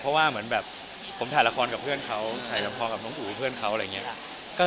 เพราะว่าเหมือนแบบผมถ่ายละครกับเพื่อนเขาถ่ายละครกับน้องอุ๋ยเพื่อนเขาอะไรอย่างนี้